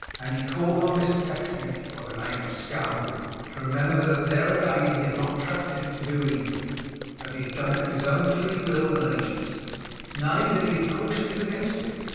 And he called on Mr Pecksniff (by the name of Scoundrel) to remember that there again he had not trapped him to do evil, but that he had done it of his own free will and agency; nay, that he had cautioned him against it.